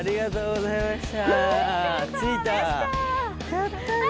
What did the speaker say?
やったね！